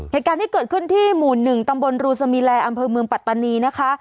เหตุการณ์ที่เกิดขึ้นที่หมู่๑ตำบลรูสมีแลอำเภอเมืองปัตตานีนะคะ